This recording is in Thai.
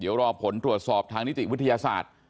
เดี๋ยวรอผลตรวจสอบทางนิติวิทยาศาสตร์